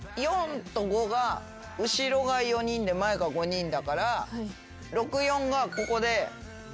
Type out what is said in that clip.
４と５が後ろが４人で前が５人だから「６４」がここで「６４」でしょ。